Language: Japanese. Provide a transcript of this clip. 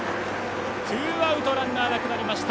ツーアウトランナーなくなりました。